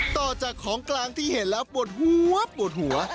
ต่อจากของกลางที่เห็นแล้วปวดหัวปวดหัว